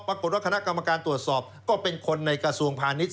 ปรากฏว่าคณะกรรมการตรวจสอบก็เป็นคนในกระทรวงพาณิชย